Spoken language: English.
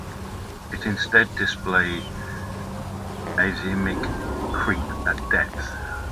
It instead display aseismic creep at depth.